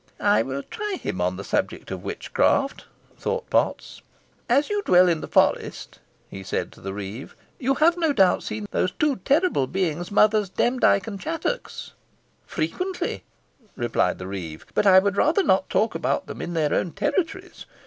"I will try him on the subject of witchcraft," thought Potts. "As you dwell in the forest," he said to the reeve, "you have no doubt seen those two terrible beings, Mothers Demdike and Chattox." "Frequently," replied the reeve, "but I would rather not talk about them in their own territories.